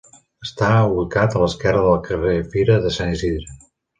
Està ubicat a l'esquerre del carrer Fira de Sant Isidre.